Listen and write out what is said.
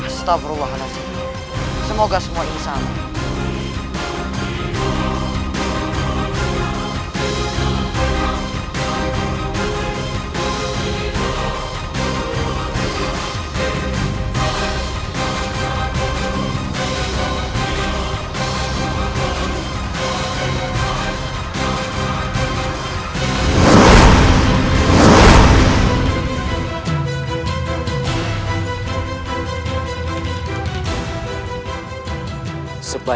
astagfirullahaladzim semoga semua ini sama